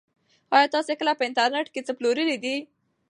ایا تاسي کله په انټرنيټ کې څه پلورلي دي؟